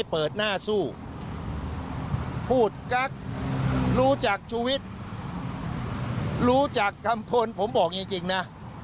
พูดกั๊กรู้จักชูวิทธ์รู้จักกำพลผมบอกจริงนะ